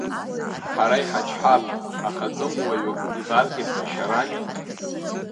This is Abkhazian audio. Ҳара иҳачҳап, аха тәымуаҩык ибаргьы ԥхашьарами?